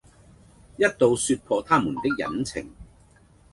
一到説破他們的隱情，